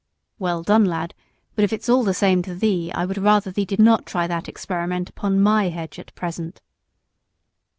"Well done, lad! but if it's all the same to thee, I would rather thee did not try that experiment upon MY hedge at present."